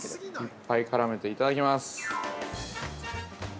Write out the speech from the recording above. ◆いっぱい絡めて、いただきます。